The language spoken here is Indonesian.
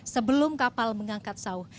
sebelum kapal mengangkat saw